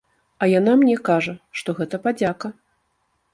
А яна мне кажа, што гэта падзяка.